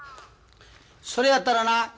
それやったらな